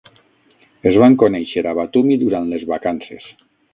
Es van conèixer a Batumi durant les vacances.